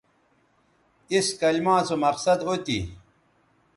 اِس کلما سو مقصد او تھی